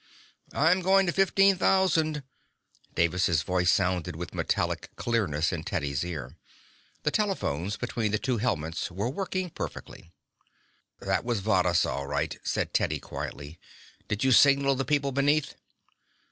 "I'm going to fifteen thousand." Davis' voice sounded with metallic clearness in Teddy's ear. The telephones between the two helmets were working perfectly. "That was Varrhus, all right?" said Teddy quietly. "Did you signal to the people beneath?"